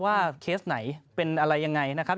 เคสไหนเป็นอะไรยังไงนะครับ